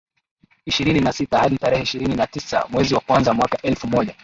ishirini na sita hadi tarehe ishirini na tisa mwezi wa kwanza mwaka elfu moja